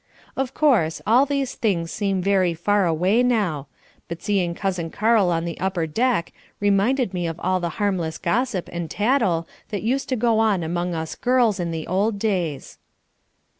Of course, all these things seem very far away now. But seeing Cousin Karl on the upper deck, reminded me of all the harmless gossip and tattle that used to go on among us girls in the old days.